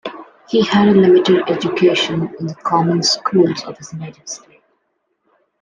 He had a limited education in the common schools of his native state.